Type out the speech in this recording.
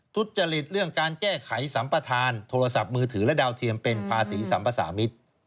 ทุจริตเรื่องการแก้ไขสัมปทานโทรศัพท์มือถือและดาวเทียมเป็นภาษีสัมภาษามิตร